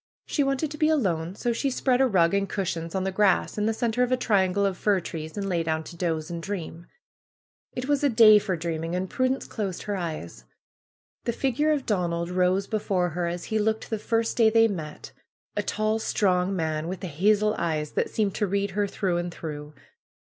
She wanted to be alone; so she spread a rug and cushions on the grass in the center of a triangle of fir trees, and lay down to doze and dream. It was a day for dreaming, and Prudence closed her eyes. The figure of Donald rose before her, as he looked the first day they met; a tall, strong man, with hazel eyes that seemed to read her through and through.